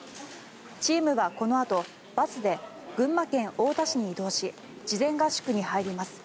チームはこのあとバスで群馬県太田市に移動し事前合宿に入ります。